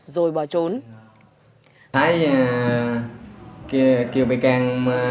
rồi bỏ trốn